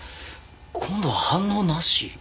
今度は反応なし？